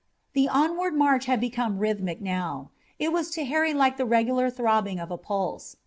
The onward march had become rhythmic now. It was to Harry like the regular throbbing of a pulse.